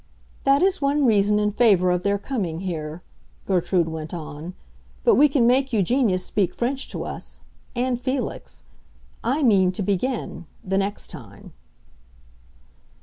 "That is one reason in favor of their coming here," Gertrude went on. "But we can make Eugenia speak French to us, and Felix. I mean to begin—the next time."